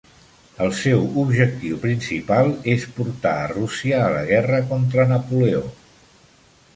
El seu objectiu principal és portar a Rússia a la guerra contra Napoleó.